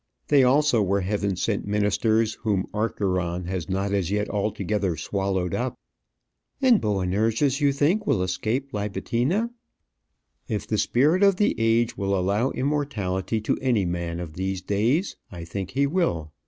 They also were heaven sent ministers, whom Acheron has not as yet altogether swallowed up." "And Boanerges, you think, will escape Libitina?" "If the spirit of the age will allow immortality to any man of these days, I think he will.